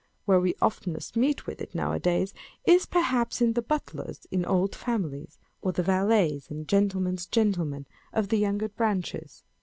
A V here we oftenest meet wit! it now a days, is, perhaps, in the butlers in old families, or the valets, and " gentlemen's gentlemen " of the younger branches.